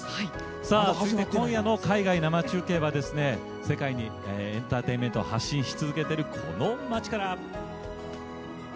今夜の海外生中継は世界にエンターテインメントを発信し続けているこの街から！